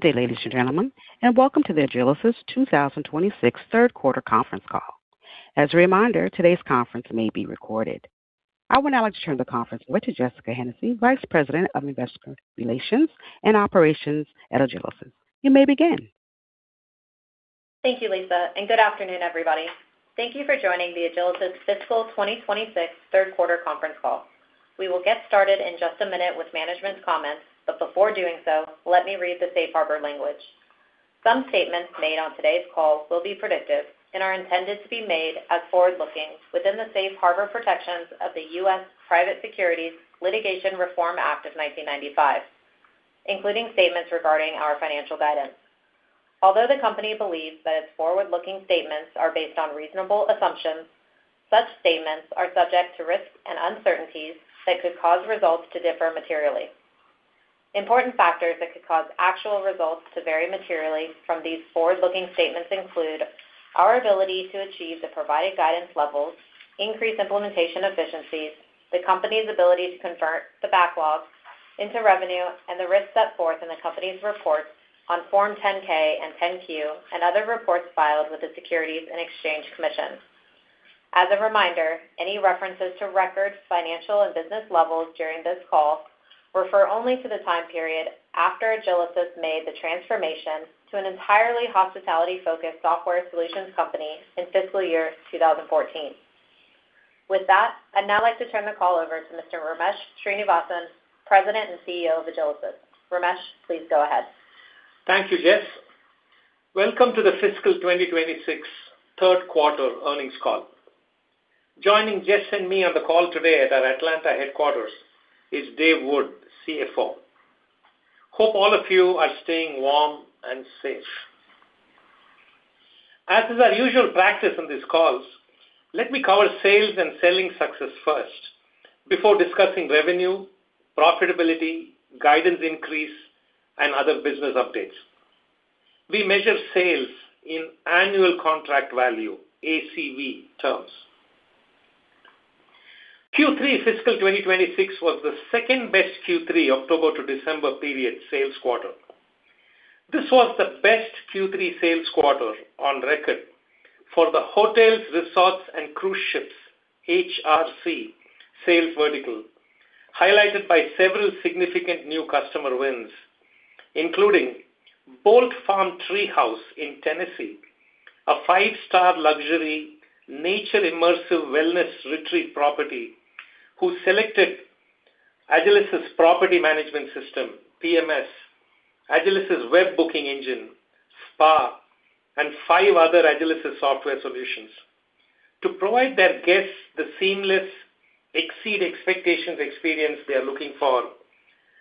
Good day, ladies and gentlemen, and welcome to the Agilysys 2026 third quarter conference call. As a reminder, today's conference may be recorded. I will now like to turn the conference over to Jessica Hennessy, Vice President of Investor Relations and Operations at Agilysys. You may begin. Thank you, Lisa, and good afternoon, everybody. Thank you for joining the Agilysys Fiscal 2026 third quarter conference call. We will get started in just a minute with management's comments, but before doing so, let me read the safe harbor language. Some statements made on today's call will be predictive and are intended to be made as forward-looking within the safe harbor protections of the U.S. Private Securities Litigation Reform Act of 1995, including statements regarding our financial guidance. Although the company believes that its forward-looking statements are based on reasonable assumptions, such statements are subject to risks and uncertainties that could cause results to differ materially. Important factors that could cause actual results to vary materially from these forward-looking statements include our ability to achieve the provided guidance levels, increased implementation efficiencies, the company's ability to convert the backlog into revenue, and the risks set forth in the company's reports on Form 10-K and 10-Q and other reports filed with the Securities and Exchange Commission. As a reminder, any references to record financial and business levels during this call refer only to the time period after Agilysys made the transformation to an entirely hospitality-focused software solutions company in fiscal year 2014. With that, I'd now like to turn the call over to Mr. Ramesh Srinivasan, President and CEO of Agilysys. Ramesh, please go ahead. Thank you, Jess. Welcome to the fiscal 2026 third quarter earnings call. Joining Jess and me on the call today at our Atlanta headquarters is Dave Wood, CFO. Hope all of you are staying warm and safe. As is our usual practice in these calls, let me cover sales and selling success first before discussing revenue, profitability, guidance increase, and other business updates. We measure sales in annual contract value, ACV, terms. Q3 fiscal 2026 was the second best Q3 October to December period sales quarter. This was the best Q3 sales quarter on record for the Hotels, Resorts, and Cruise Ships (HRC) sales vertical, highlighted by several significant new customer wins, including Bolt Farm Treehouse in Tennessee, a five-star luxury nature immersive wellness retreat property, who selected Agilysys Property Management System (PMS), Agilysys web booking engine, spa, and five other Agilysys software solutions to provide their guests the seamless exceed expectations experience they are looking for,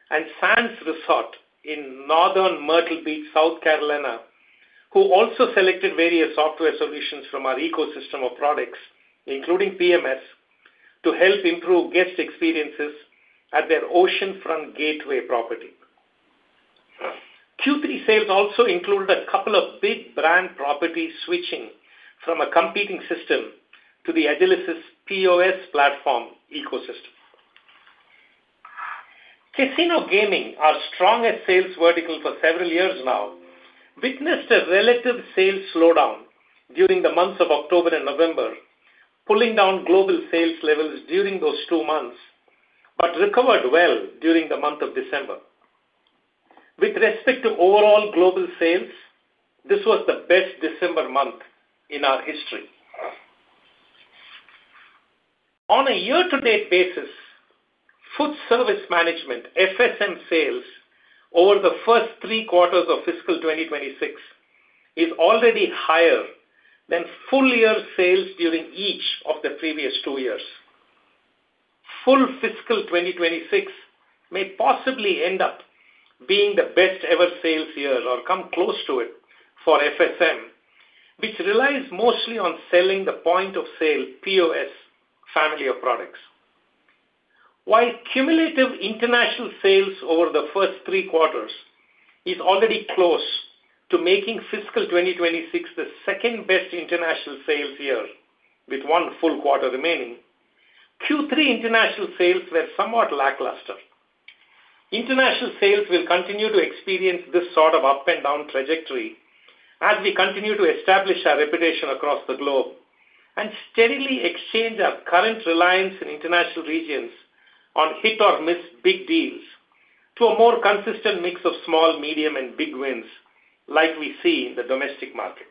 and Sands Resorts in Northern Myrtle Beach, South Carolina, who also selected various software solutions from our ecosystem of products, including PMS, to help improve guest experiences at their oceanfront gateway property. Q3 sales also included a couple of big brand properties switching from a competing system to the Agilysys POS platform ecosystem. Casino gaming, our strongest sales vertical for several years now, witnessed a relative sales slowdown during the months of October and November, pulling down global sales levels during those two months, but recovered well during the month of December. With respect to overall global sales, this was the best December month in our history. On a year-to-date basis, Food Service Management (FSM) sales over the first three quarters of fiscal 2026 is already higher than full year sales during each of the previous two years. Full fiscal 2026 may possibly end up being the best ever sales year or come close to it for FSM, which relies mostly on selling the point of sale (POS) family of products. While cumulative international sales over the first three quarters is already close to making fiscal 2026 the second best international sales year with one full quarter remaining, Q3 international sales were somewhat lackluster. International sales will continue to experience this sort of up and down trajectory as we continue to establish our reputation across the globe and steadily exchange our current reliance in international regions on hit or miss big deals to a more consistent mix of small, medium, and big wins like we see in the domestic market.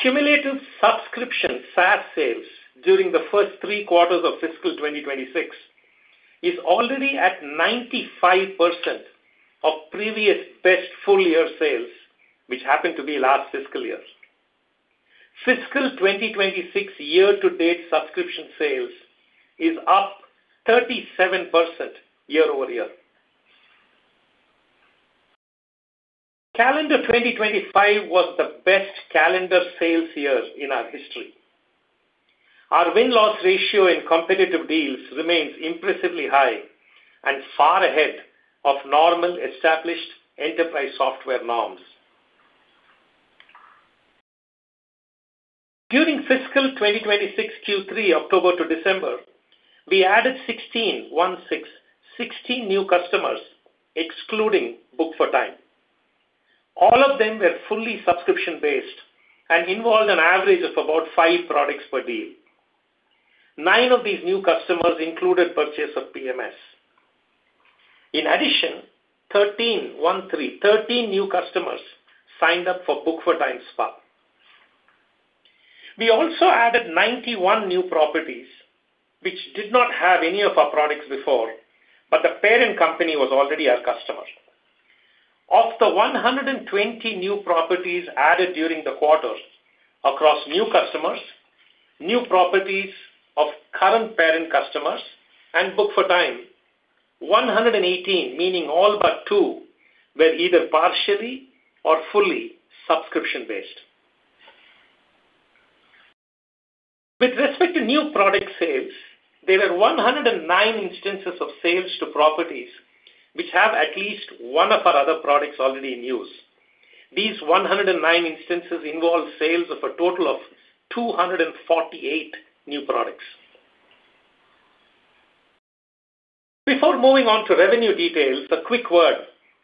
Cumulative subscription SaaS sales during the first three quarters of fiscal 2026 is already at 95% of previous best full year sales, which happened to be last fiscal year. Fiscal 2026 year-to-date subscription sales is up 37% year-over-year. Calendar 2025 was the best calendar sales year in our history. Our win-loss ratio in competitive deals remains impressively high and far ahead of normal established enterprise software norms. During fiscal 2026 Q3 October to December, we added 1,616 new customers, excluding Book4Time. All of them were fully subscription-based and involved an average of about five products per deal. Nine of these new customers included purchase of PMS. In addition, 1,313 new customers signed up for Book4Time spa. We also added 91 new properties, which did not have any of our products before, but the parent company was already our customer. Of the 120 new properties added during the quarter across new customers, new properties of current parent customers, and Book4Time, 118, meaning all but two, were either partially or fully subscription-based. With respect to new product sales, there were 109 instances of sales to properties which have at least one of our other products already in use. These 109 instances involve sales of a total of 248 new products. Before moving on to revenue details, a quick word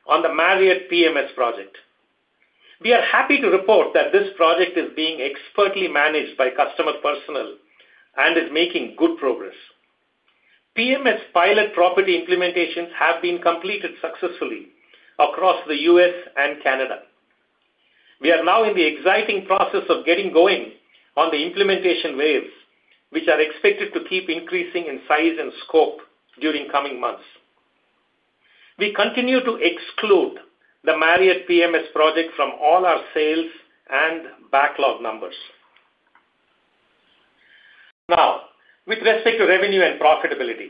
on the Marriott PMS project. We are happy to report that this project is being expertly managed by customer personnel and is making good progress. PMS pilot property implementations have been completed successfully across the U.S. and Canada. We are now in the exciting process of getting going on the implementation waves, which are expected to keep increasing in size and scope during coming months. We continue to exclude the Marriott PMS project from all our sales and backlog numbers. Now, with respect to revenue and profitability,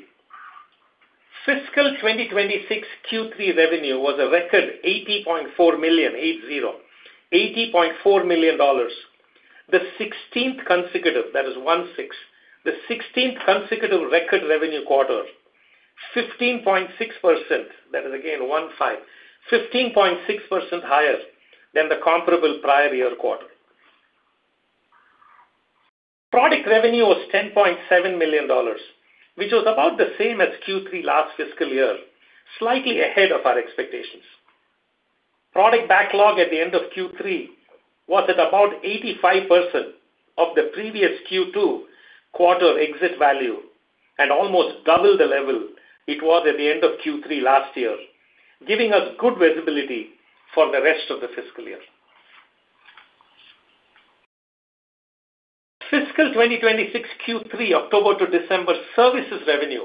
fiscal 2026 Q3 revenue was a record $80.4 million, 80, $80.4 million, the 16th consecutive, that is 16th consecutive record revenue quarter, 15.6%, that is again 15.6% higher than the comparable prior year quarter. Product revenue was $10.7 million, which was about the same as Q3 last fiscal year, slightly ahead of our expectations. Product backlog at the end of Q3 was at about 85% of the previous Q2 quarter exit value and almost doubled the level it was at the end of Q3 last year, giving us good visibility for the rest of the fiscal year. Fiscal 2026 Q3 October to December services revenue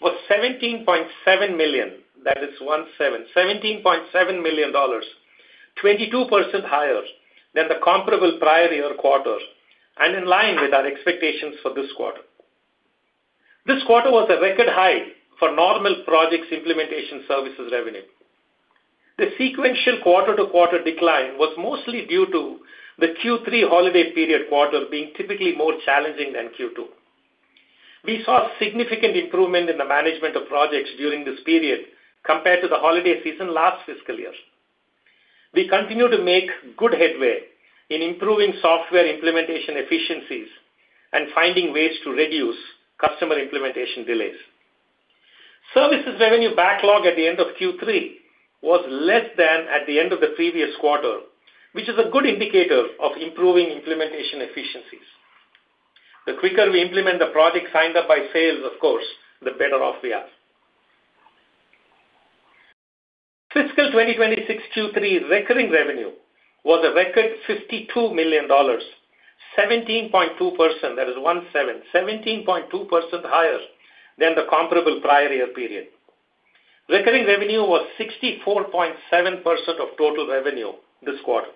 was $17.7 million, that is $17.7 million, 22% higher than the comparable prior year quarter and in line with our expectations for this quarter. This quarter was a record high for normal projects implementation services revenue. The sequential quarter-to-quarter decline was mostly due to the Q3 holiday period quarter being typically more challenging than Q2. We saw significant improvement in the management of projects during this period compared to the holiday season last fiscal year. We continue to make good headway in improving software implementation efficiencies and finding ways to reduce customer implementation delays. Services revenue backlog at the end of Q3 was less than at the end of the previous quarter, which is a good indicator of improving implementation efficiencies. The quicker we implement the project signed up by sales, of course, the better off we are. Fiscal 2026 Q3 recurring revenue was a record $52 million, 17.2%, that is 17.2% higher than the comparable prior year period. Recurring revenue was 64.7% of total revenue this quarter.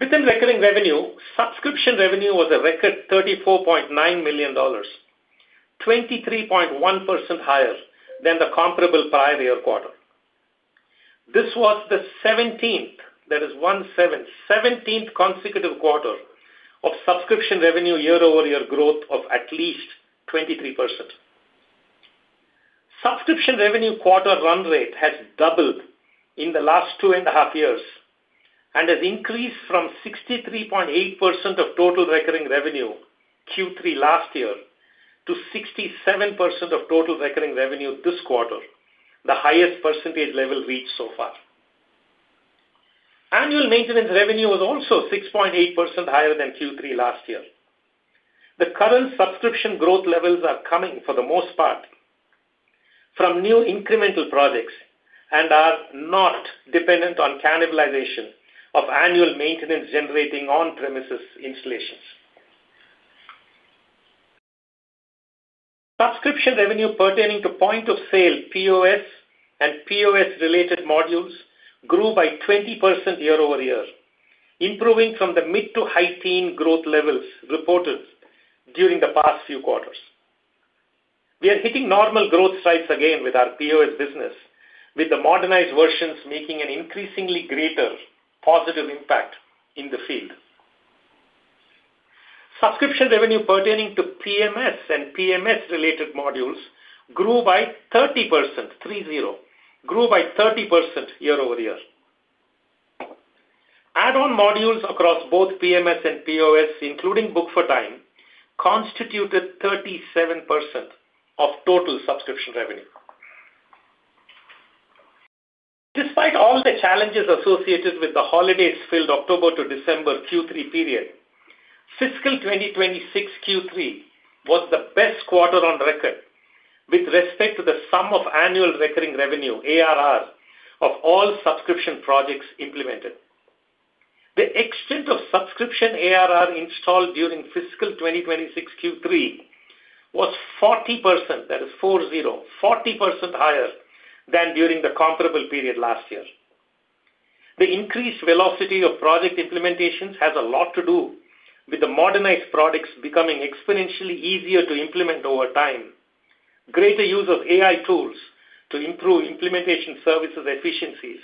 Within recurring revenue, subscription revenue was a record $34.9 million, 23.1% higher than the comparable prior year quarter. This was the 17th, that is 17th consecutive quarter of subscription revenue year-over-year growth of at least 23%. Subscription revenue quarter run rate has doubled in the last two and a half years and has increased from 63.8% of total recurring revenue Q3 last year to 67% of total recurring revenue this quarter, the highest percentage level reached so far. Annual maintenance revenue was also 6.8% higher than Q3 last year. The current subscription growth levels are coming for the most part from new incremental projects and are not dependent on cannibalization of annual maintenance generating on-premises installations. Subscription revenue pertaining to point of sale POS and POS-related modules grew by 20% year-over-year, improving from the mid to high teen growth levels reported during the past few quarters. We are hitting normal growth stripes again with our POS business, with the modernized versions making an increasingly greater positive impact in the field. Subscription revenue pertaining to PMS and PMS-related modules grew by 30%, 30, grew by 30% year-over-year. Add-on modules across both PMS and POS, including Book4Time, constituted 37% of total subscription revenue. Despite all the challenges associated with the holidays filled October to December Q3 period, fiscal 2026 Q3 was the best quarter on record with respect to the sum of annual recurring revenue (ARR) of all subscription projects implemented. The extent of subscription ARR installed during fiscal 2026 Q3 was 40%, that is 40, 40% higher than during the comparable period last year. The increased velocity of project implementations has a lot to do with the modernized products becoming exponentially easier to implement over time, greater use of AI tools to improve implementation services efficiencies,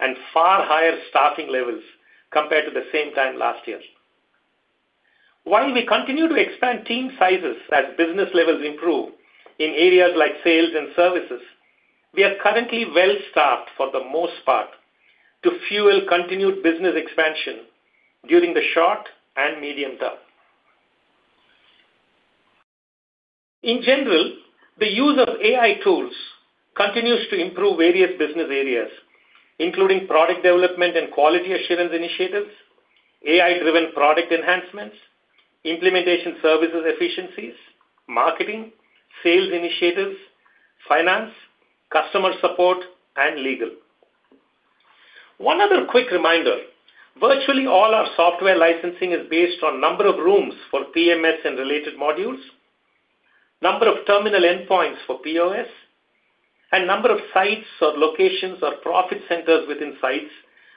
and far higher staffing levels compared to the same time last year. While we continue to expand team sizes as business levels improve in areas like sales and services, we are currently well-staffed for the most part to fuel continued business expansion during the short and medium term. In general, the use of AI tools continues to improve various business areas, including product development and quality assurance initiatives, AI-driven product enhancements, implementation services efficiencies, marketing, sales initiatives, finance, customer support, and legal. One other quick reminder, virtually all our software licensing is based on number of rooms for PMS and related modules, number of terminal endpoints for POS, and number of sites or locations or profit centers within sites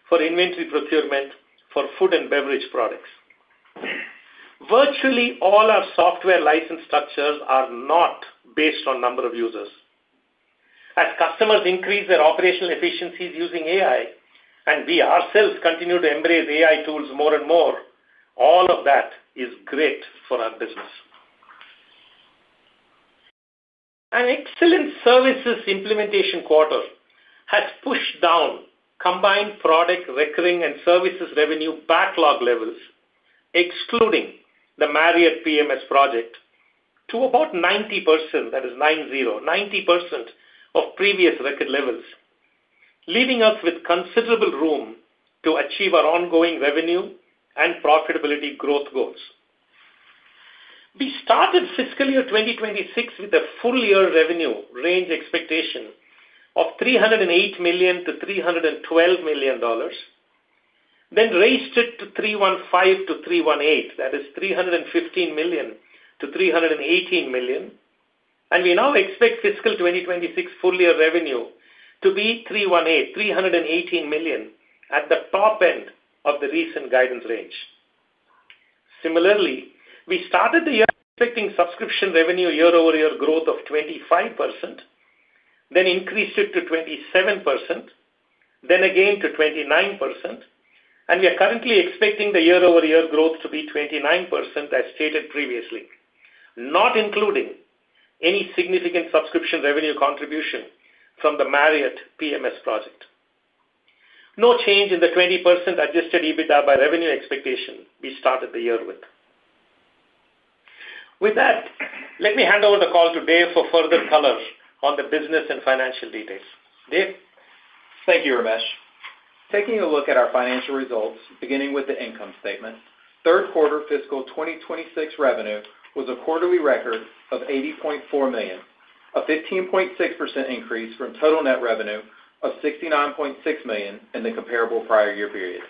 for inventory procurement for food and beverage products. Virtually all our software license structures are not based on number of users. As customers increase their operational efficiencies using AI and we ourselves continue to embrace AI tools more and more, all of that is great for our business. An excellent services implementation quarter has pushed down combined product recurring and services revenue backlog levels, excluding the Marriott PMS project, to about 90%, that is 90, 90% of previous record levels, leaving us with considerable room to achieve our ongoing revenue and profitability growth goals. We started fiscal year 2026 with a full year revenue range expectation of $308 million-$312 million, then raised it to $315 million-$318 million, that is $315 million-$318 million, and we now expect fiscal 2026 full year revenue to be $318 million at the top end of the recent guidance range. Similarly, we started the year expecting subscription revenue year-over-year growth of 25%, then increased it to 27%, then again to 29%, and we are currently expecting the year-over-year growth to be 29% as stated previously, not including any significant subscription revenue contribution from the Marriott PMS project. No change in the 20% Adjusted EBITDA by revenue expectation we started the year with. With that, let me hand over the call to Dave for further color on the business and financial details. Dave? Thank you, Ramesh. Taking a look at our financial results, beginning with the income statement, third quarter fiscal 2026 revenue was a quarterly record of $80.4 million, a 15.6% increase from total net revenue of $69.6 million in the comparable prior year period.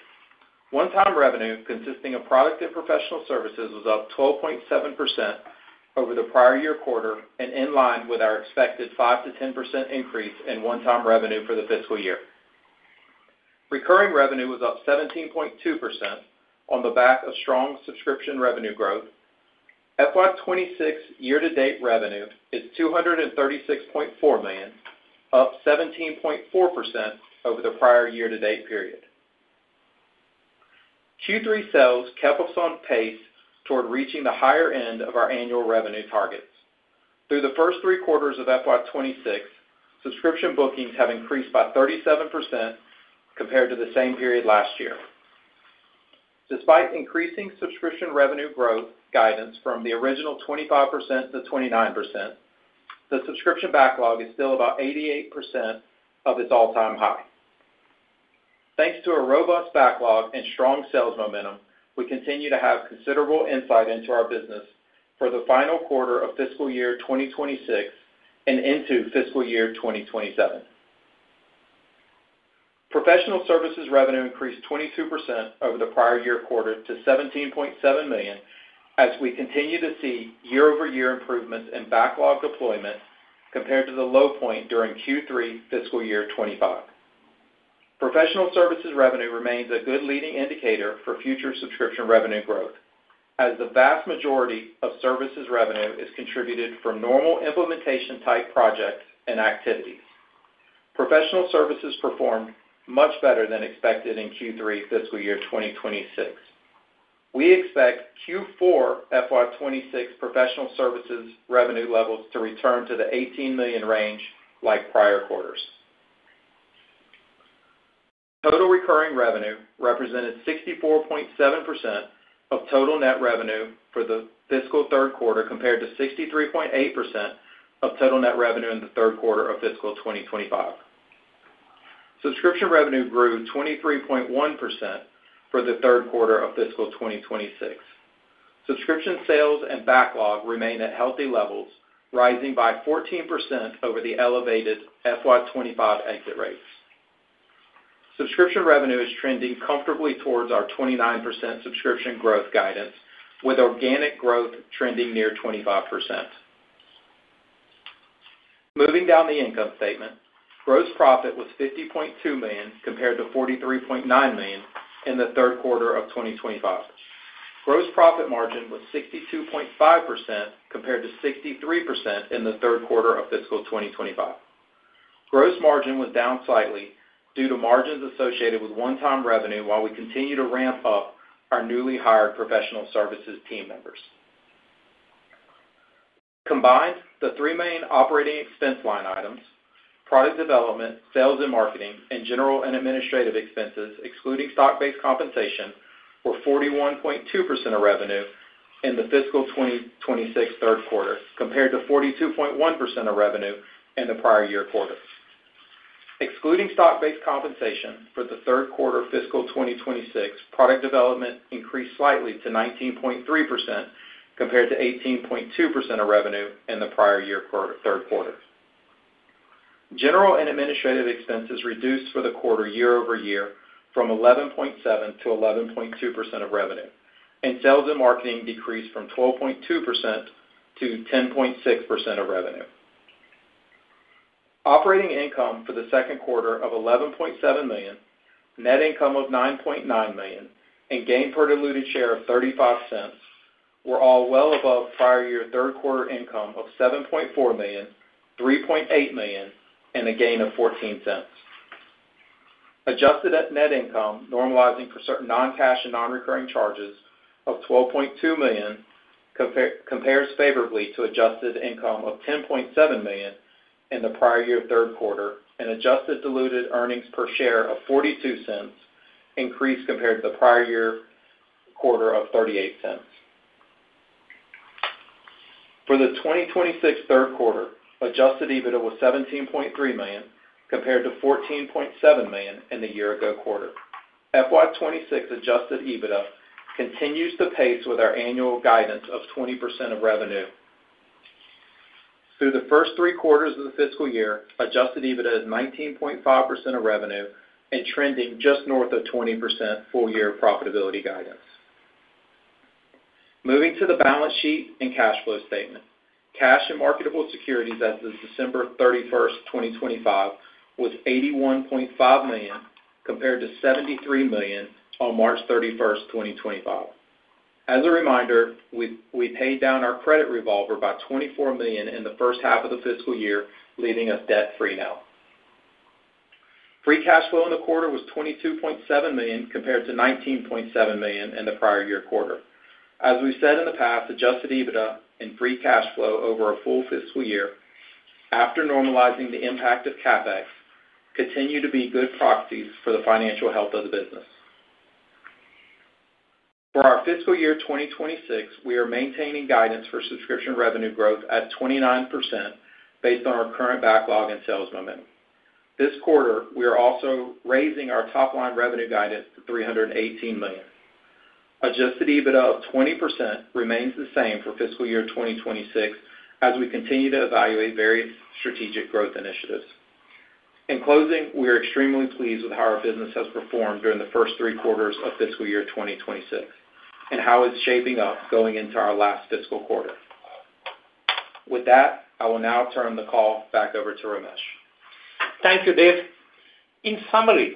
One-time revenue consisting of product and professional services was up 12.7% over the prior year quarter and in line with our expected 5%-10% increase in one-time revenue for the fiscal year. Recurring revenue was up 17.2% on the back of strong subscription revenue growth. FY 2026 year-to-date revenue is $236.4 million, up 17.4% over the prior year-to-date period. Q3 sales kept up on pace toward reaching the higher end of our annual revenue targets. Through the first three quarters of FY 2026, subscription bookings have increased by 37% compared to the same period last year. Despite increasing subscription revenue growth guidance from the original 25% to 29%, the subscription backlog is still about 88% of its all-time high. Thanks to a robust backlog and strong sales momentum, we continue to have considerable insight into our business for the final quarter of fiscal year 2026 and into fiscal year 2027. Professional services revenue increased 22% over the prior year quarter to $17.7 million as we continue to see year-over-year improvements in backlog deployment compared to the low point during Q3 fiscal year 2025. Professional services revenue remains a good leading indicator for future subscription revenue growth as the vast majority of services revenue is contributed from normal implementation-type projects and activities. Professional services performed much better than expected in Q3 fiscal year 2026. We expect Q4 FY 2026 professional services revenue levels to return to the $18 million range like prior quarters. Total recurring revenue represented 64.7% of total net revenue for the fiscal third quarter compared to 63.8% of total net revenue in the third quarter of fiscal 2025. Subscription revenue grew 23.1% for the third quarter of fiscal 2026. Subscription sales and backlog remain at healthy levels, rising by 14% over the elevated FY 2025 exit rates. Subscription revenue is trending comfortably towards our 29% subscription growth guidance, with organic growth trending near 25%. Moving down the income statement, gross profit was $50.2 million compared to $43.9 million in the third quarter of 2025. Gross profit margin was 62.5% compared to 63% in the third quarter of fiscal 2025. Gross margin was down slightly due to margins associated with one-time revenue while we continue to ramp up our newly hired professional services team members. Combined, the three main operating expense line items, product development, sales and marketing, and general and administrative expenses, excluding stock-based compensation, were 41.2% of revenue in the fiscal 2026 third quarter compared to 42.1% of revenue in the prior year quarter. Excluding stock-based compensation for the third quarter fiscal 2026, product development increased slightly to 19.3% compared to 18.2% of revenue in the prior year quarter third quarter. General and administrative expenses reduced for the quarter year-over-year from 11.7% to 11.2% of revenue, and sales and marketing decreased from 12.2% to 10.6% of revenue. Operating income for the second quarter of $11.7 million, net income of $9.9 million, and gain per diluted share of $0.35 were all well above prior year third quarter income of $7.4 million, $3.8 million, and a gain of $0.14. Adjusted net income, normalizing for certain non-cash and non-recurring charges of $12.2 million, compares favorably to adjusted income of $10.7 million in the prior year third quarter, and adjusted diluted earnings per share of $0.42 increased compared to the prior year quarter of $0.38. For the 2026 third quarter, adjusted EBITDA was $17.3 million compared to $14.7 million in the year-ago quarter. FY 2026 adjusted EBITDA continues to pace with our annual guidance of 20% of revenue. Through the first three quarters of the fiscal year, adjusted EBITDA is 19.5% of revenue and trending just north of 20% full year profitability guidance. Moving to the balance sheet and cash flow statement, cash and marketable securities as of December 31st, 2025, was $81.5 million compared to $73 million on March 31st, 2025. As a reminder, we paid down our credit revolver by $24 million in the first half of the fiscal year, leaving us debt-free now. Free cash flow in the quarter was $22.7 million compared to $19.7 million in the prior year quarter. As we've said in the past, adjusted EBITDA and free cash flow over a full fiscal year after normalizing the impact of CapEx continue to be good proxies for the financial health of the business. For our fiscal year 2026, we are maintaining guidance for subscription revenue growth at 29% based on our current backlog and sales momentum. This quarter, we are also raising our top-line revenue guidance to $318 million. Adjusted EBITDA of 20% remains the same for fiscal year 2026 as we continue to evaluate various strategic growth initiatives. In closing, we are extremely pleased with how our business has performed during the first three quarters of fiscal year 2026 and how it's shaping up going into our last fiscal quarter. With that, I will now turn the call back over to Ramesh. Thank you, Dave. In summary,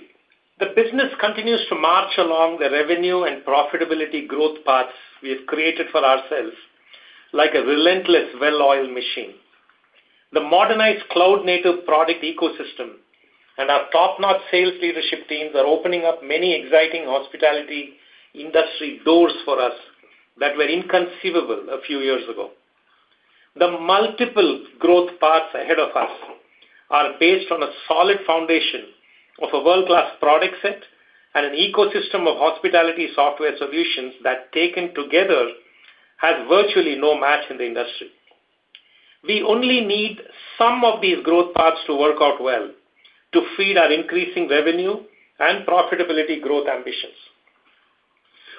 the business continues to march along the revenue and profitability growth paths we have created for ourselves like a relentless well-oiled machine. The modernized cloud-native product ecosystem and our top-notch sales leadership teams are opening up many exciting hospitality industry doors for us that were inconceivable a few years ago. The multiple growth paths ahead of us are based on a solid foundation of a world-class product set and an ecosystem of hospitality software solutions that, taken together, has virtually no match in the industry. We only need some of these growth paths to work out well to feed our increasing revenue and profitability growth ambitions.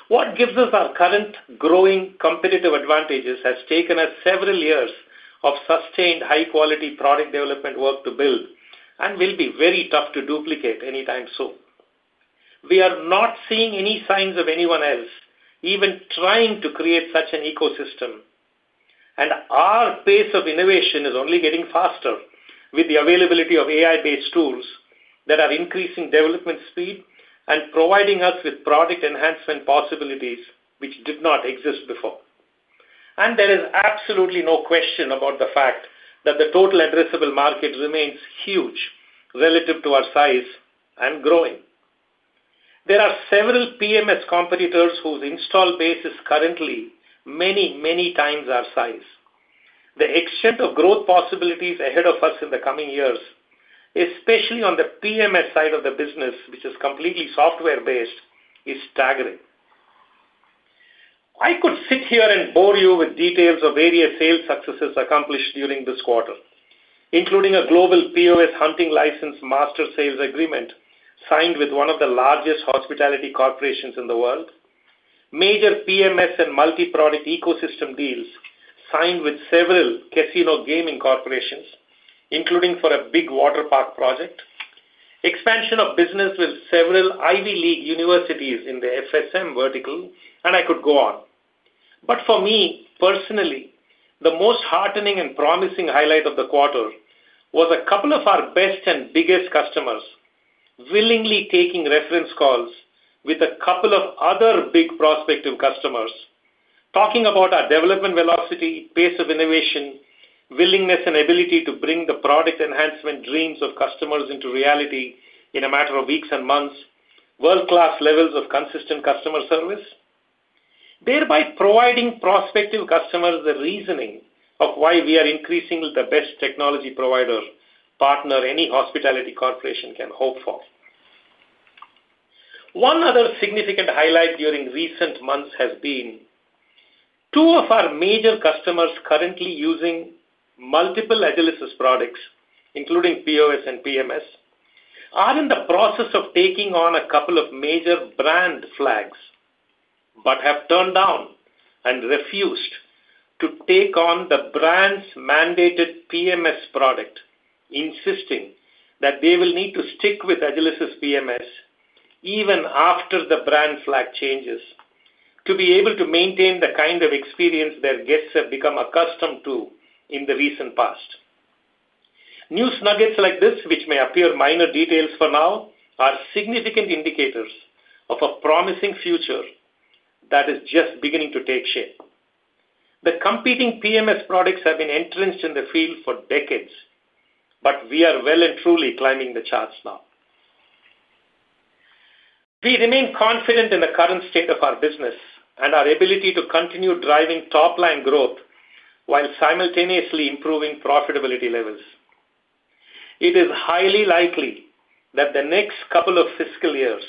What gives us our current growing competitive advantages has taken us several years of sustained high-quality product development work to build and will be very tough to duplicate anytime soon. We are not seeing any signs of anyone else even trying to create such an ecosystem, and our pace of innovation is only getting faster with the availability of AI-based tools that are increasing development speed and providing us with product enhancement possibilities which did not exist before. There is absolutely no question about the fact that the total addressable market remains huge relative to our size and growing. There are several PMS competitors whose install base is currently many, many times our size. The extent of growth possibilities ahead of us in the coming years, especially on the PMS side of the business, which is completely software-based, is staggering. I could sit here and bore you with details of various sales successes accomplished during this quarter, including a global POS hunting license master sales agreement signed with one of the largest hospitality corporations in the world, major PMS and multi-product ecosystem deals signed with several casino gaming corporations, including for a big waterpark project, expansion of business with several Ivy League universities in the FSM vertical, and I could go on. But for me personally, the most heartening and promising highlight of the quarter was a couple of our best and biggest customers willingly taking reference calls with a couple of other big prospective customers, talking about our development velocity, pace of innovation, willingness, and ability to bring the product enhancement dreams of customers into reality in a matter of weeks and months, world-class levels of consistent customer service, thereby providing prospective customers the reasoning of why we are increasing the best technology provider partner any hospitality corporation can hope for. One other significant highlight during recent months has been two of our major customers currently using multiple Agilysys products, including POS and PMS, are in the process of taking on a couple of major brand flags but have turned down and refused to take on the brand's mandated PMS product, insisting that they will need to stick with Agilysys PMS even after the brand flag changes to be able to maintain the kind of experience their guests have become accustomed to in the recent past. News nuggets like this, which may appear minor details for now, are significant indicators of a promising future that is just beginning to take shape. The competing PMS products have been entrenched in the field for decades, but we are well and truly climbing the charts now. We remain confident in the current state of our business and our ability to continue driving top-line growth while simultaneously improving profitability levels. It is highly likely that the next couple of fiscal years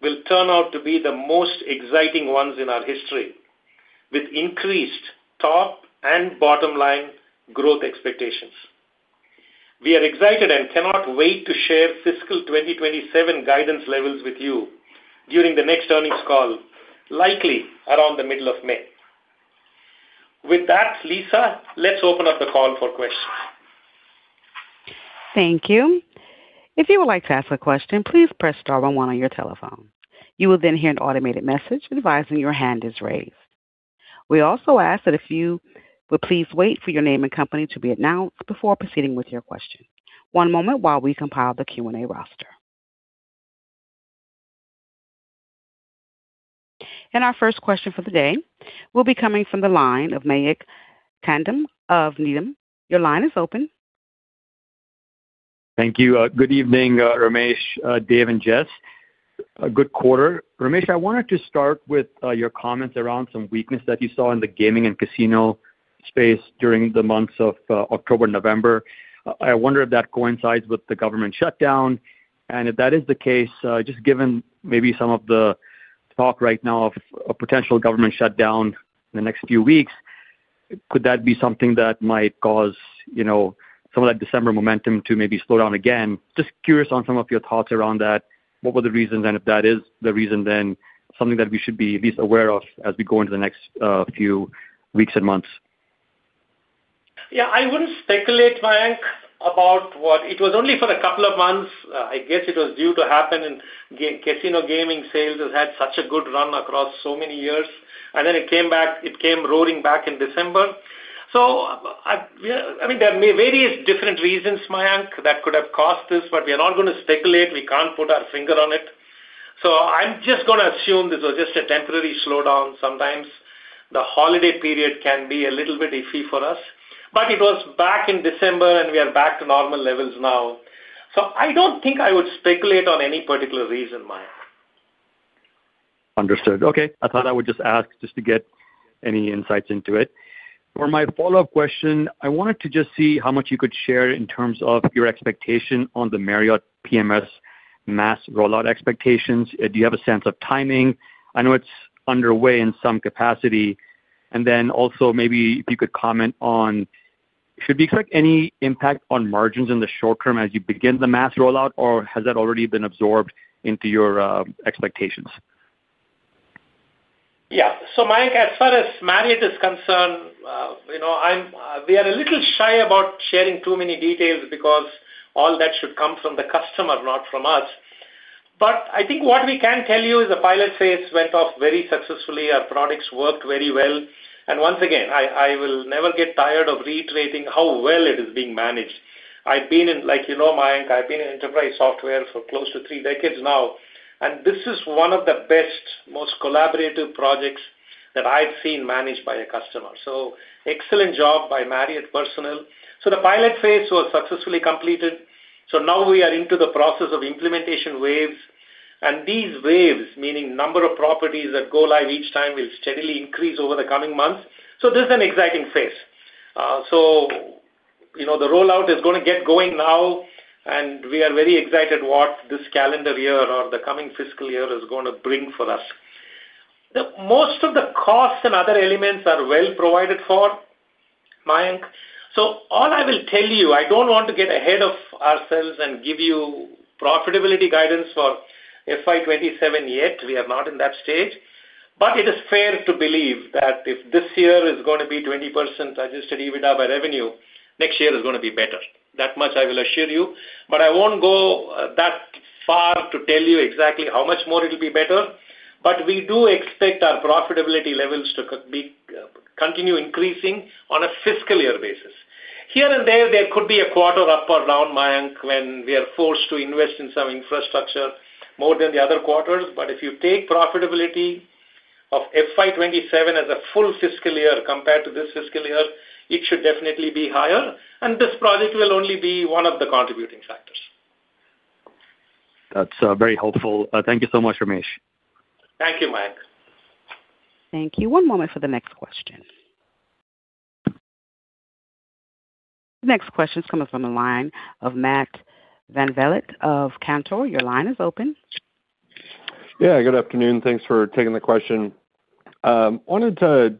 will turn out to be the most exciting ones in our history, with increased top and bottom-line growth expectations. We are excited and cannot wait to share fiscal 2027 guidance levels with you during the next earnings call, likely around the middle of May. With that, Lisa, let's open up the call for questions. Thank you. If you would like to ask a question, please press star one on your telephone. You will then hear an automated message advising your hand is raised. We also ask that if you would please wait for your name and company to be announced before proceeding with your question. One moment while we compile the Q&A roster. Our first question for the day will be coming from the line of Mayank Tandon of Needham. Your line is open. Thank you. Good evening, Ramesh, Dave, and Jess. Good quarter. Ramesh, I wanted to start with your comments around some weakness that you saw in the gaming and casino space during the months of October and November. I wonder if that coincides with the government shutdown. And if that is the case, just given maybe some of the talk right now of a potential government shutdown in the next few weeks, could that be something that might cause some of that December momentum to maybe slow down again? Just curious on some of your thoughts around that. What were the reasons, and if that is the reason, then something that we should be at least aware of as we go into the next few weeks and months? Yeah, I wouldn't speculate, Mayank, about what it was only for a couple of months. I guess it was due to happen, and casino gaming sales had such a good run across so many years, and then it came back. It came roaring back in December. So I mean, there are various different reasons, Mayank, that could have caused this, but we are not going to speculate. We can't put our finger on it. So I'm just going to assume this was just a temporary slowdown. Sometimes the holiday period can be a little bit iffy for us, but it was back in December, and we are back to normal levels now. So I don't think I would speculate on any particular reason, Mayank. Understood. Okay. I thought I would just ask just to get any insights into it. For my follow-up question, I wanted to just see how much you could share in terms of your expectation on the Marriott PMS mass rollout expectations. Do you have a sense of timing? I know it's underway in some capacity. And then also maybe if you could comment on: should we expect any impact on margins in the short term as you begin the mass rollout, or has that already been absorbed into your expectations? Yeah. So Mayank, as far as Marriott is concerned, we are a little shy about sharing too many details because all that should come from the customer, not from us. But I think what we can tell you is the pilot phase went off very successfully. Our products worked very well. And once again, I will never get tired of reiterating how well it is being managed. I've been in, like you know, Mayank, I've been in enterprise software for close to three decades now, and this is one of the best, most collaborative projects that I've seen managed by a customer. So excellent job by Marriott personnel. So the pilot phase was successfully completed. So now we are into the process of implementation waves, and these waves, meaning number of properties that go live each time, will steadily increase over the coming months. So this is an exciting phase. So the rollout is going to get going now, and we are very excited about what this calendar year or the coming fiscal year is going to bring for us. Most of the costs and other elements are well provided for, Mayank. So all I will tell you, I don't want to get ahead of ourselves and give you profitability guidance for FY 2027 yet. We are not in that stage, but it is fair to believe that if this year is going to be 20% Adjusted EBITDA by revenue, next year is going to be better. That much I will assure you, but I won't go that far to tell you exactly how much more it will be better, but we do expect our profitability levels to continue increasing on a fiscal year basis. Here and there, there could be a quarter up or down, Mayank, when we are forced to invest in some infrastructure more than the other quarters, but if you take profitability of FY 2027 as a full fiscal year compared to this fiscal year, it should definitely be higher, and this project will only be one of the contributing factors. That's very hopeful. Thank you so much, Ramesh. Thank you, Mayank. Thank you. One moment for the next question. The next question is coming from the line of Matthew VanVliet of Cantor. Your line is open. Yeah, good afternoon. Thanks for taking the question. I wanted to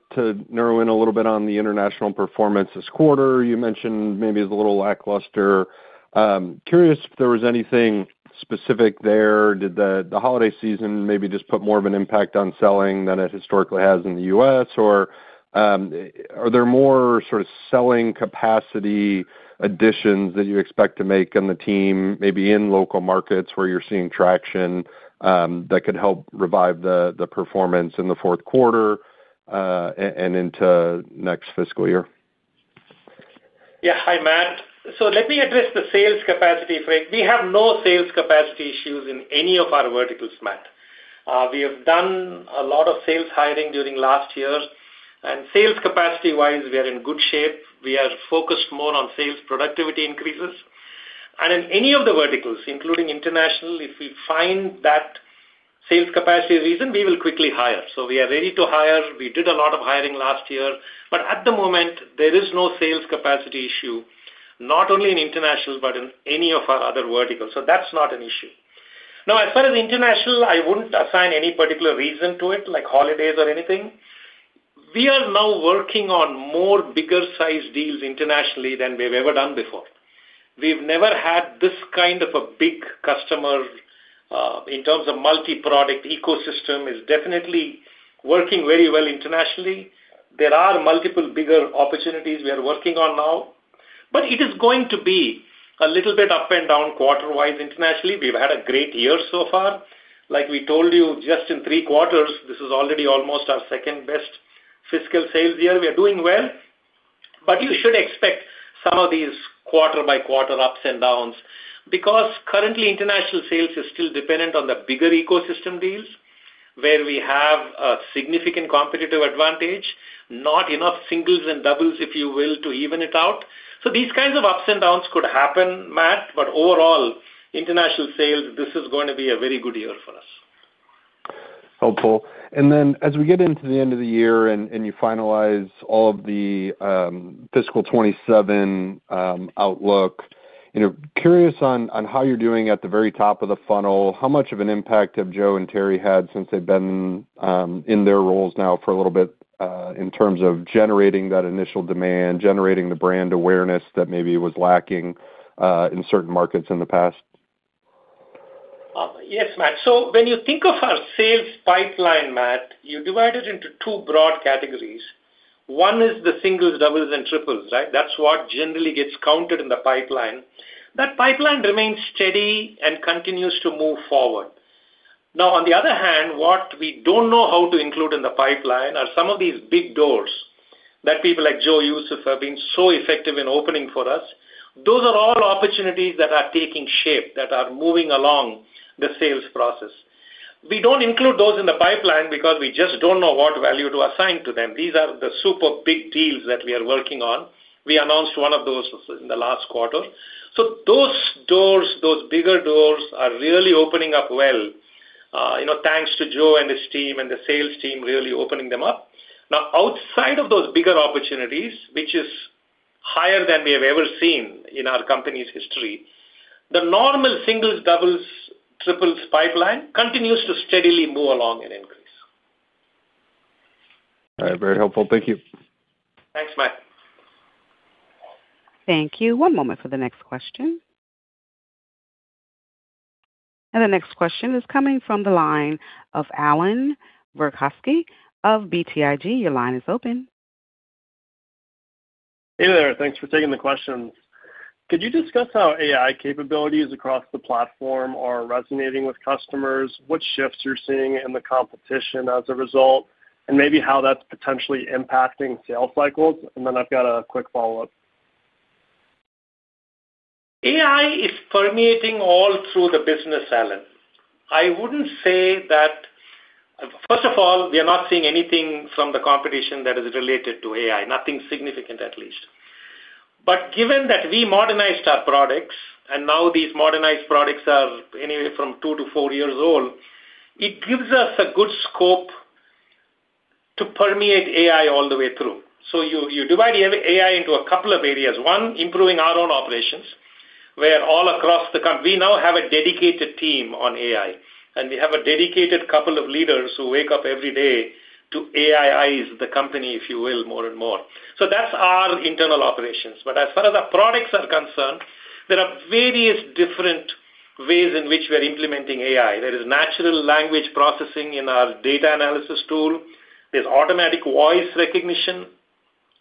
narrow in a little bit on the international performance this quarter. You mentioned maybe it was a little lackluster. Curious if there was anything specific there. Did the holiday season maybe just put more of an impact on selling than it historically has in the U.S., or are there more sort of selling capacity additions that you expect to make on the team, maybe in local markets where you're seeing traction that could help revive the performance in the fourth quarter and into next fiscal year? Yeah. Hi, Matt. So let me address the sales capacity for it. We have no sales capacity issues in any of our verticals, Matt. We have done a lot of sales hiring during last year, and sales capacity-wise, we are in good shape. We are focused more on sales productivity increases. And in any of the verticals, including international, if we find that sales capacity reason, we will quickly hire. So we are ready to hire. We did a lot of hiring last year, but at the moment, there is no sales capacity issue, not only in international but in any of our other verticals. So that's not an issue. Now, as far as international, I wouldn't assign any particular reason to it, like holidays or anything. We are now working on more bigger-sized deals internationally than we've ever done before. We've never had this kind of a big customer in terms of multi-product ecosystem, is definitely working very well internationally. There are multiple bigger opportunities we are working on now, but it is going to be a little bit up and down quarter-wise internationally. We've had a great year so far. Like we told you, just in three quarters, this is already almost our second best fiscal sales year. We are doing well, but you should expect some of these quarter-by-quarter ups and downs because currently, international sales is still dependent on the bigger ecosystem deals where we have a significant competitive advantage, not enough singles and doubles, if you will, to even it out. So these kinds of ups and downs could happen, Matt, but overall, international sales, this is going to be a very good year for us. Helpful. And then as we get into the end of the year and you finalize all of the fiscal 2027 outlook, curious on how you're doing at the very top of the funnel. How much of an impact have Joe and Terrie had since they've been in their roles now for a little bit in terms of generating that initial demand, generating the brand awareness that maybe was lacking in certain markets in the past? Yes, Matt. So when you think of our sales pipeline, Matt, you divide it into two broad categories. One is the singles, doubles, and triples, right? That's what generally gets counted in the pipeline. That pipeline remains steady and continues to move forward. Now, on the other hand, what we don't know how to include in the pipeline are some of these big doors that people like Joe Youssef have been so effective in opening for us. Those are all opportunities that are taking shape, that are moving along the sales process. We don't include those in the pipeline because we just don't know what value to assign to them. These are the super big deals that we are working on. We announced one of those in the last quarter. So those doors, those bigger doors are really opening up well, thanks to Joe and his team and the sales team really opening them up. Now, outside of those bigger opportunities, which is higher than we have ever seen in our company's history, the normal singles, doubles, triples pipeline continues to steadily move along and increase. All right. Very helpful. Thank you. Thanks, Matt. Thank you. One moment for the next question. The next question is coming from the line of Allan Verkhovski of BTIG. Your line is open. Hey there. Thanks for taking the question. Could you discuss how AI capabilities across the platform are resonating with customers, what shifts you're seeing in the competition as a result, and maybe how that's potentially impacting sales cycles? And then I've got a quick follow-up. AI is permeating all through the business, Allan. I wouldn't say that first of all, we are not seeing anything from the competition that is related to AI, nothing significant at least. But given that we modernized our products, and now these modernized products are anywhere from 2-4 years old, it gives us a good scope to permeate AI all the way through. So you divide AI into a couple of areas. One, improving our own operations where all across the country, we now have a dedicated team on AI, and we have a dedicated couple of leaders who wake up every day to AI-ize the company, if you will, more and more. So that's our internal operations. But as far as our products are concerned, there are various different ways in which we are implementing AI. There is natural language processing in our data analysis tool. There's automatic voice recognition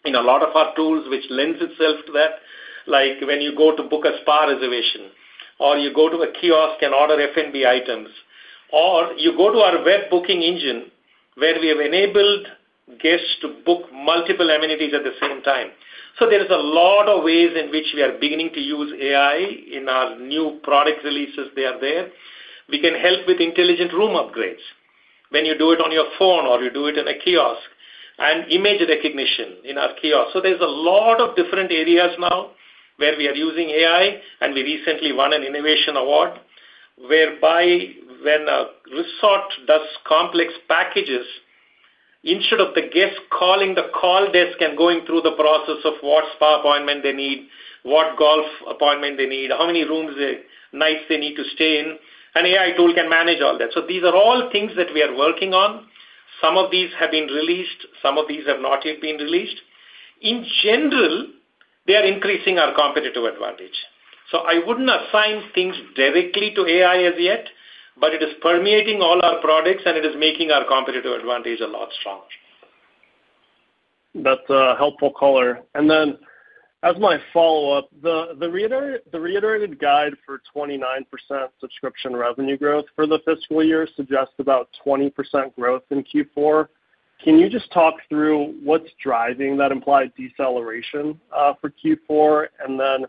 in a lot of our tools, which lends itself to that. Like when you go to book a spa reservation, or you go to a kiosk and order F&B items, or you go to our web booking engine where we have enabled guests to book multiple amenities at the same time. So there is a lot of ways in which we are beginning to use AI in our new product releases that are there. We can help with intelligent room upgrades when you do it on your phone or you do it in a kiosk and image recognition in our kiosk. So there's a lot of different areas now where we are using AI, and we recently won an innovation award whereby when a resort does complex packages, instead of the guest calling the call desk and going through the process of what spa appointment they need, what golf appointment they need, how many rooms nights they need to stay in, an AI tool can manage all that. So these are all things that we are working on. Some of these have been released. Some of these have not yet been released. In general, they are increasing our competitive advantage. So I wouldn't assign things directly to AI as yet, but it is permeating all our products, and it is making our competitive advantage a lot stronger. That's a helpful color. Then as my follow-up, the reiterated guide for 29% subscription revenue growth for the fiscal year suggests about 20% growth in Q4. Can you just talk through what's driving that implied deceleration for Q4? Then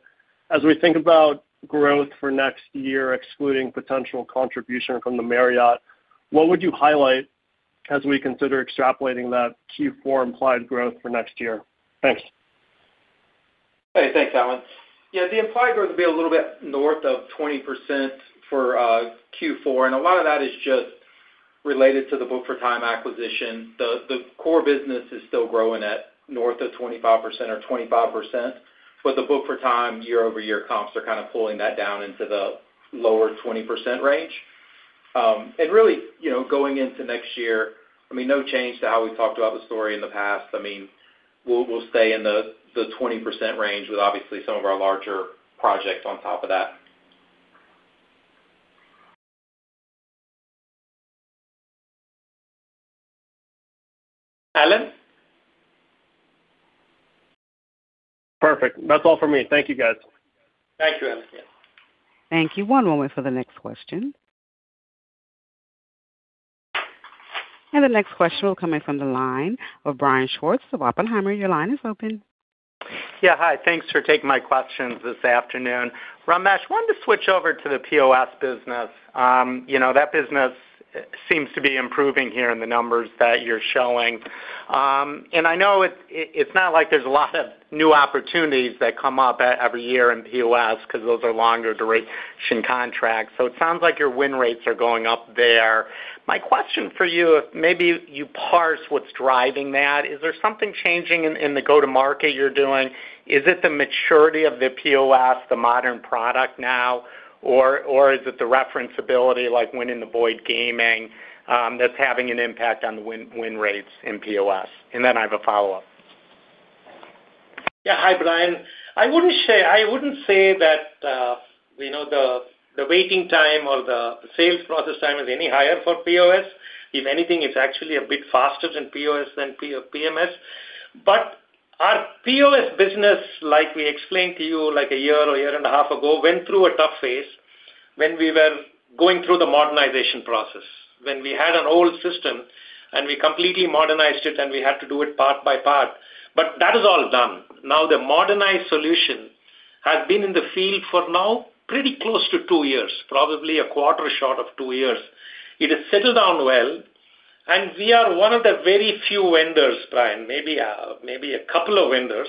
as we think about growth for next year, excluding potential contribution from the Marriott, what would you highlight as we consider extrapolating that Q4 implied growth for next year? Thanks. Hey, thanks, Allan. Yeah, the implied growth would be a little bit north of 20% for Q4, and a lot of that is just related to the Book4Time acquisition. The core business is still growing at north of 25% or 25%, but the Book4Time year-over-year comps are kind of pulling that down into the lower 20% range. Really going into next year, I mean, no change to how we talked about the story in the past. I mean, we'll stay in the 20% range with obviously some of our larger projects on top of that. Allan? Perfect. That's all for me. Thank you, guys. Thank you, Allan. Thank you. One moment for the next question. The next question will come in from the line of Brian Schwartz of Oppenheimer. Your line is open. Yeah. Hi. Thanks for taking my questions this afternoon. Ramesh, I wanted to switch over to the POS business. That business seems to be improving here in the numbers that you're showing. And I know it's not like there's a lot of new opportunities that come up every year in POS because those are longer duration contracts. So it sounds like your win rates are going up there. My question for you, if maybe you parse what's driving that, is there something changing in the go-to-market you're doing? Is it the maturity of the POS, the modern product now, or is it the referenceability, like winning the Boyd Gaming, that's having an impact on win rates in POS? And then I have a follow-up. Yeah. Hi, Brian. I wouldn't say that the waiting time or the sales process time is any higher for POS. If anything, it's actually a bit faster than POS than PMS. But our POS business, like we explained to you like a year or a year and a half ago, went through a tough phase when we were going through the modernization process. When we had an old system and we completely modernized it and we had to do it part by part, but that is all done. Now the modernized solution has been in the field for now pretty close to two years, probably a quarter short of two years. It has settled down well, and we are one of the very few vendors, Brian, maybe a couple of vendors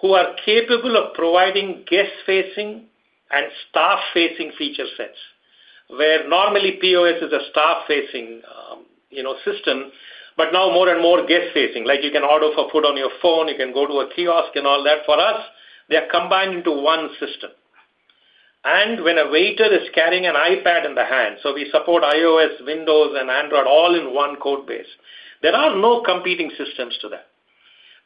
who are capable of providing guest-facing and staff-facing feature sets where normally POS is a staff-facing system, but now more and more guest-facing. Like you can order for food on your phone, you can go to a kiosk and all that. For us, they are combined into one system. And when a waiter is carrying an iPad in the hand, so we support iOS, Windows, and Android all in one code base. There are no competing systems to that.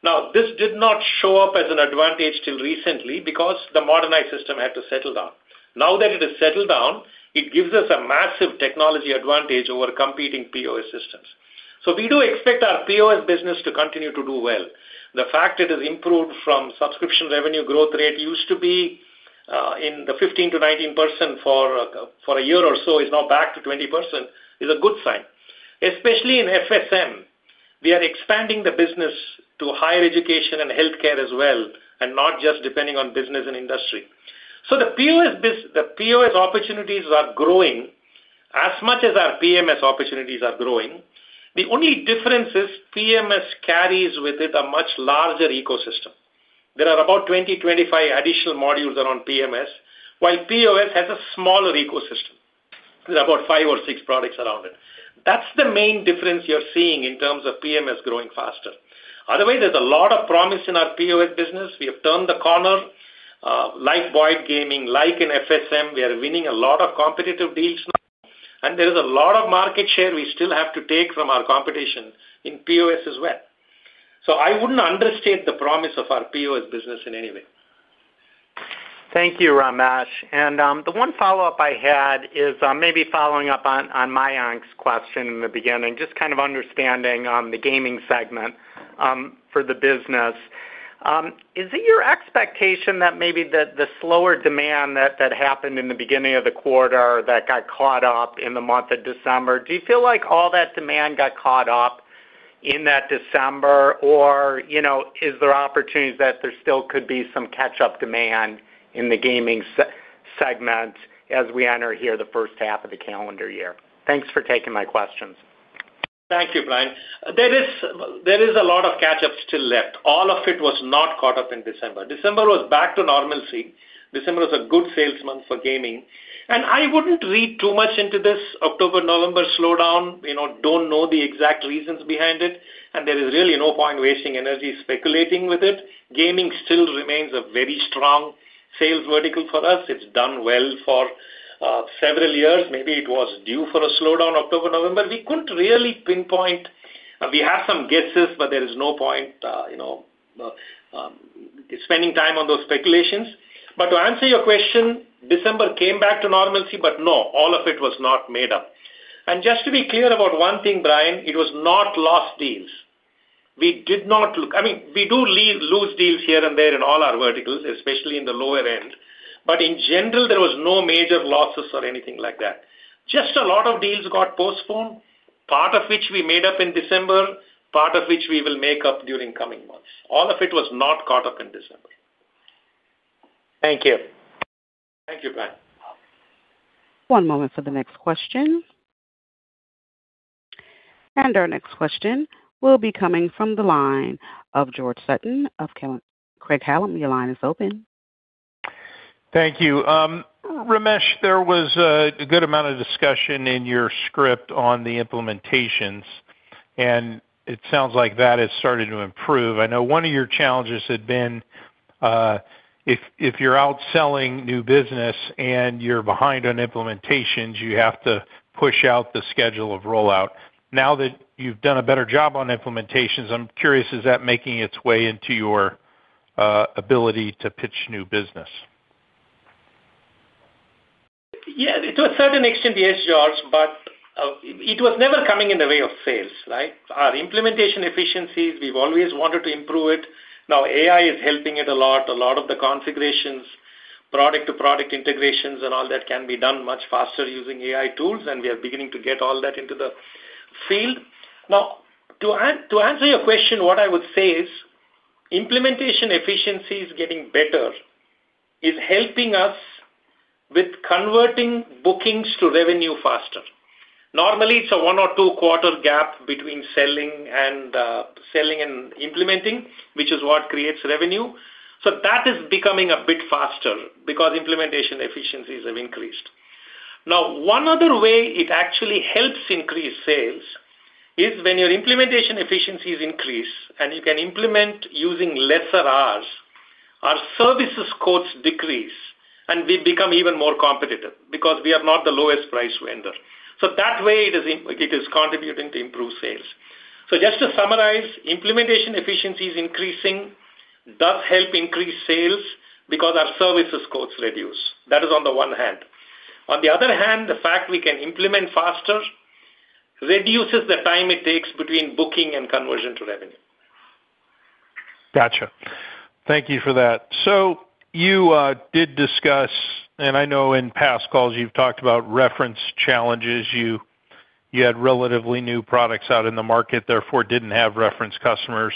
Now, this did not show up as an advantage till recently because the modernized system had to settle down. Now that it has settled down, it gives us a massive technology advantage over competing POS systems. So we do expect our POS business to continue to do well. The fact it has improved from subscription revenue growth rate used to be in the 15%-19% for a year or so is now back to 20% is a good sign. Especially in FSM, we are expanding the business to higher education and healthcare as well, and not just depending on business and industry. So the POS opportunities are growing as much as our PMS opportunities are growing. The only difference is PMS carries with it a much larger ecosystem. There are about 20-25 additional modules around PMS, while POS has a smaller ecosystem. There are about 5 or 6 products around it. That's the main difference you're seeing in terms of PMS growing faster. Otherwise, there's a lot of promise in our POS business. We have turned the corner like Boyd Gaming, like in FSM. We are winning a lot of competitive deals now, and there is a lot of market share we still have to take from our competition in POS as well. So I wouldn't understate the promise of our POS business in any way. Thank you, Ramesh. The one follow-up I had is maybe following up on Mayank's question in the beginning, just kind of understanding the gaming segment for the business. Is it your expectation that maybe the slower demand that happened in the beginning of the quarter that got caught up in the month of December, do you feel like all that demand got caught up in that December, or is there opportunities that there still could be some catch-up demand in the gaming segment as we enter here the first half of the calendar year? Thanks for taking my questions. Thank you, Brian. There is a lot of catch-up still left. All of it was not caught up in December. December was back to normalcy. December was a good sales month for gaming. I wouldn't read too much into this October, November slowdown. Don't know the exact reasons behind it, and there is really no point wasting energy speculating with it. Gaming still remains a very strong sales vertical for us. It's done well for several years. Maybe it was due for a slowdown October, November. We couldn't really pinpoint. We have some guesses, but there is no point spending time on those speculations. To answer your question, December came back to normalcy, but no, all of it was not made up. Just to be clear about one thing, Brian, it was not lost deals. We did not lose, I mean, we do lose deals here and there in all our verticals, especially in the lower end, but in general, there was no major losses or anything like that. Just a lot of deals got postponed, part of which we made up in December, part of which we will make up during coming months. All of it was not caught up in December. Thank you. Thank you, Brian. One moment for the next question. Our next question will be coming from the line of George Sutton of Craig-Hallum. Your line is open. Thank you. Ramesh, there was a good amount of discussion in your script on the implementations, and it sounds like that has started to improve. I know one of your challenges had been if you're out selling new business and you're behind on implementations, you have to push out the schedule of rollout. Now that you've done a better job on implementations, I'm curious, is that making its way into your ability to pitch new business? Yeah. To a certain extent, yes, George, but it was never coming in the way of sales, right? Our implementation efficiencies, we've always wanted to improve it. Now AI is helping it a lot. A lot of the configurations, product-to-product integrations and all that can be done much faster using AI tools, and we are beginning to get all that into the field. Now, to answer your question, what I would say is implementation efficiencies getting better is helping us with converting bookings to revenue faster. Normally, it's a one or two-quarter gap between selling and implementing, which is what creates revenue. So that is becoming a bit faster because implementation efficiencies have increased. Now, one other way it actually helps increase sales is when your implementation efficiencies increase and you can implement using fewer resources, our services costs decrease, and we become even more competitive because we are not the lowest price vendor. So that way, it is contributing to improve sales. So just to summarize, implementation efficiencies increasing does help increase sales because our services costs reduce. That is on the one hand. On the other hand, the fact we can implement faster reduces the time it takes between booking and conversion to revenue. Gotcha. Thank you for that. So you did discuss, and I know in past calls you've talked about reference challenges. You had relatively new products out in the market, therefore didn't have reference customers.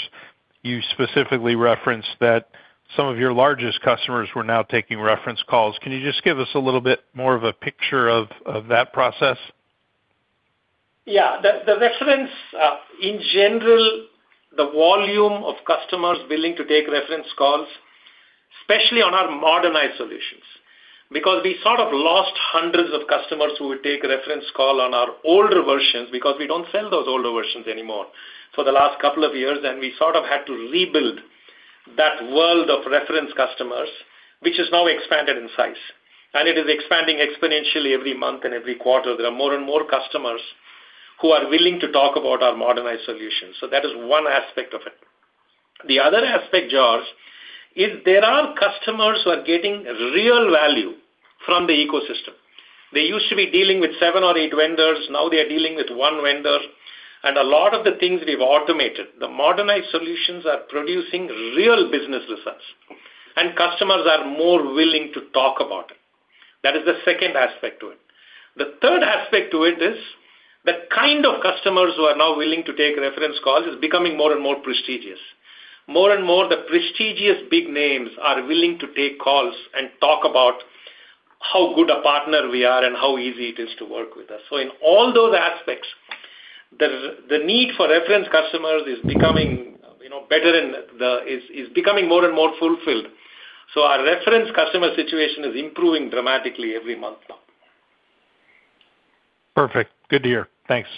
You specifically referenced that some of your largest customers were now taking reference calls. Can you just give us a little bit more of a picture of that process? Yeah. The reference, in general, the volume of customers willing to take reference calls, especially on our modernized solutions, because we sort of lost hundreds of customers who would take reference call on our older versions because we don't sell those older versions anymore for the last couple of years, and we sort of had to rebuild that world of reference customers, which has now expanded in size. And it is expanding exponentially every month and every quarter. There are more and more customers who are willing to talk about our modernized solutions. So that is one aspect of it. The other aspect, George, is there are customers who are getting real value from the ecosystem. They used to be dealing with seven or eight vendors. Now they are dealing with one vendor. A lot of the things we've automated, the modernized solutions are producing real business results, and customers are more willing to talk about it. That is the second aspect to it. The third aspect to it is the kind of customers who are now willing to take reference calls is becoming more and more prestigious. More and more, the prestigious big names are willing to take calls and talk about how good a partner we are and how easy it is to work with us. So in all those aspects, the need for reference customers is becoming better and is becoming more and more fulfilled. So our reference customer situation is improving dramatically every month now. Perfect. Good to hear. Thanks.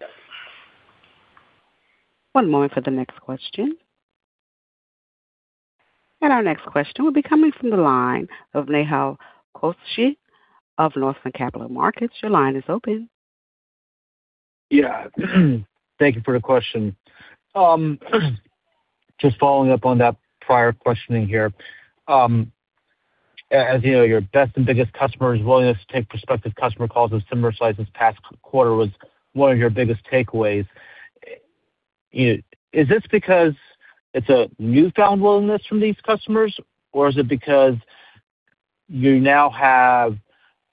Yep. One moment for the next question. Our next question will be coming from the line of Nehal Chokshi of Northland Capital Markets. Your line is open. Yeah. Thank you for the question. Just following up on that prior questioning here, as you know, your best and biggest customer's willingness to take prospective customer calls and similar clients past quarter was one of your biggest takeaways. Is this because it's a newfound willingness from these customers, or is it because you now have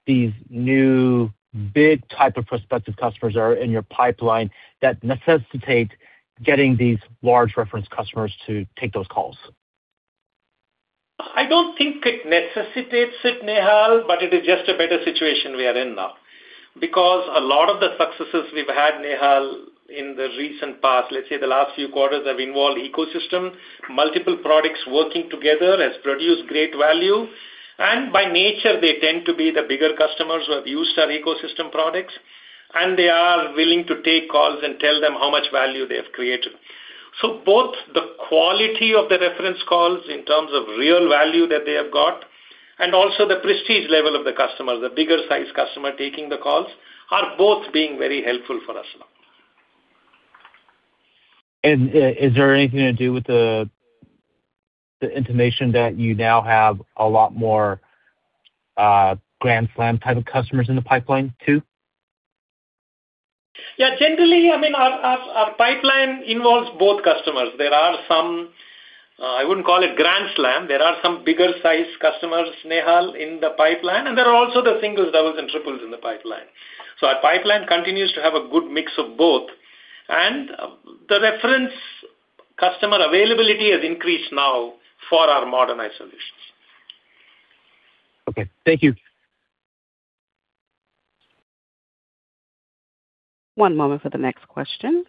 these new big type of prospective customers that are in your pipeline that necessitate getting these large reference customers to take those calls? I don't think it necessitates it, Nehal, but it is just a better situation we are in now because a lot of the successes we've had, Nehal, in the recent past, let's say the last few quarters, have involved ecosystem. Multiple products working together has produced great value. And by nature, they tend to be the bigger customers who have used our ecosystem products, and they are willing to take calls and tell them how much value they have created. So both the quality of the reference calls in terms of real value that they have got and also the prestige level of the customers, the bigger size customer taking the calls, are both being very helpful for us now. Is there anything to do with the intimation that you now have a lot more grand slam type of customers in the pipeline too? Yeah. Generally, I mean, our pipeline involves both customers. There are some. I wouldn't call it grand slam. There are some bigger size customers, Nehal, in the pipeline, and there are also the singles, doubles, and triples in the pipeline. So our pipeline continues to have a good mix of both, and the reference customer availability has increased now for our modernized solutions. Okay. Thank you. One moment for the next question.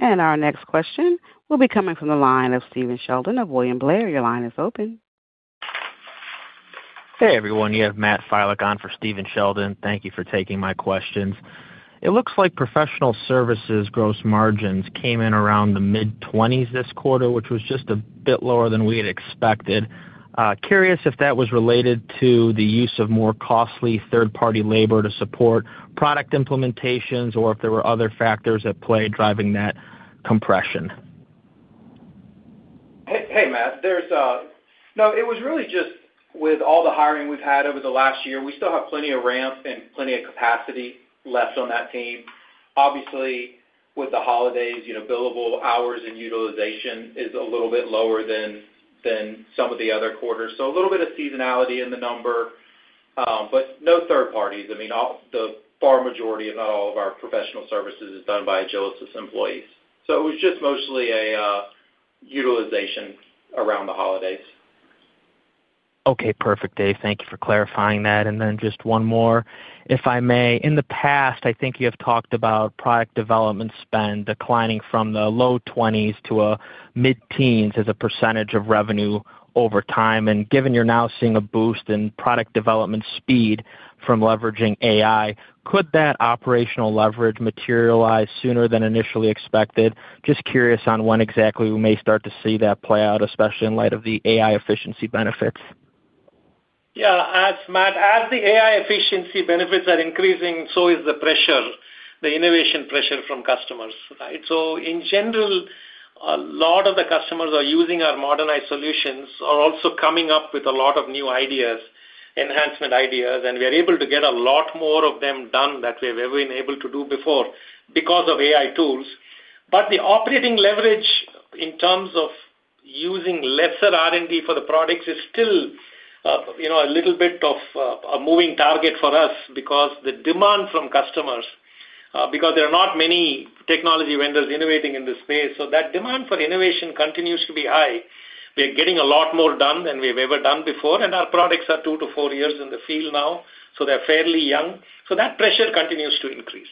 Our next question will be coming from the line of Stephen Sheldon of William Blair. Your line is open. Hey, everyone. You have Matthew Filek for Stephen Sheldon. Thank you for taking my questions. It looks like professional services gross margins came in around the mid-20s this quarter, which was just a bit lower than we had expected. Curious if that was related to the use of more costly third-party labor to support product implementations or if there were other factors at play driving that compression. Hey, Matt. No, it was really just with all the hiring we've had over the last year, we still have plenty of ramp and plenty of capacity left on that team. Obviously, with the holidays, billable hours and utilization is a little bit lower than some of the other quarters. So a little bit of seasonality in the number, but no third parties. I mean, the far majority, if not all, of our professional services is done by Agilysys employees. So it was just mostly a utilization around the holidays. Okay. Perfect, Dave. Thank you for clarifying that. And then just one more, if I may. In the past, I think you have talked about product development spend declining from the low 20s to mid-teens as a percentage of revenue over time. And given you're now seeing a boost in product development speed from leveraging AI, could that operational leverage materialize sooner than initially expected? Just curious on when exactly we may start to see that play out, especially in light of the AI efficiency benefits. Yeah. As the AI efficiency benefits are increasing, so is the pressure, the innovation pressure from customers, right? So in general, a lot of the customers are using our modernized solutions or also coming up with a lot of new ideas, enhancement ideas, and we are able to get a lot more of them done that we have ever been able to do before because of AI tools. But the operating leverage in terms of using lesser R&D for the products is still a little bit of a moving target for us because the demand from customers, because there are not many technology vendors innovating in this space, so that demand for innovation continues to be high. We are getting a lot more done than we have ever done before, and our products are 2-4 years in the field now, so they're fairly young. That pressure continues to increase.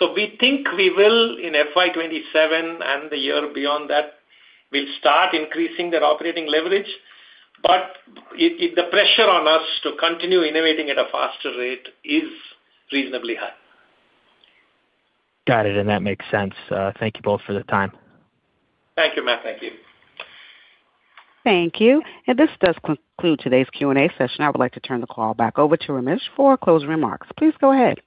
We think we will, in FY 2027 and the year beyond that, start increasing their operating leverage, but the pressure on us to continue innovating at a faster rate is reasonably high. Got it. And that makes sense. Thank you both for the time. Thank you, Matt. Thank you. Thank you. This does conclude today's Q&A session. I would like to turn the call back over to Ramesh for closing remarks. Please go ahead.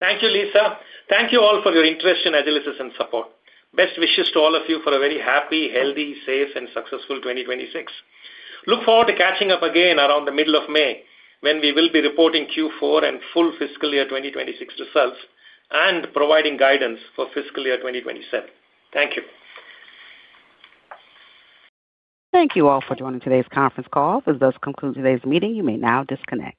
Thank you, Lisa. Thank you all for your interest in Agilysys and support. Best wishes to all of you for a very happy, healthy, safe, and successful 2026. Look forward to catching up again around the middle of May when we will be reporting Q4 and full fiscal year 2026 results and providing guidance for fiscal year 2027. Thank you. Thank you all for joining today's conference call. This does conclude today's meeting. You may now disconnect.